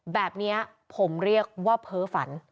แบบนี้ผมเรียกว่าเพ้อฝัน